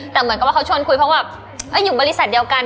เราคุยแต่เขาชวนคุยเพราะว่าอยู่บริษัทเดียวกัน